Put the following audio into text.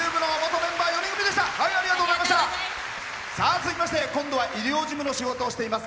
続きまして今度は医療事務の仕事をしています。